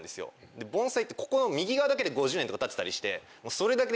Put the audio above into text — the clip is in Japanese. で盆栽ってここの右側だけで５０年とかたってたりしてもう。